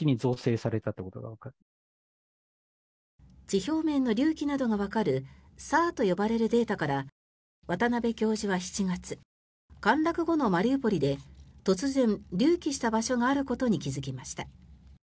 地表面の隆起などがわかるＳＡＲと呼ばれるデータから渡邉教授は７月陥落後のマリウポリで突然、隆起した場所があることに気付きました。